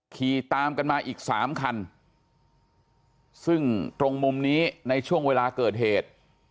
ขี่ตามกันมาอีกสามคันซึ่งตรงมุมนี้ในช่วงเวลาเกิดเหตุ